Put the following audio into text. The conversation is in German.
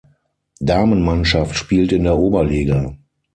Damenmannschaft spielt in der Oberliga.